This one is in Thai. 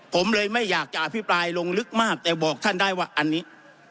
ผมเลยไม่อยากจะอภิปรายลงลึกมากแต่บอกท่านได้ว่าอันนี้